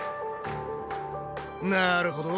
なるほど。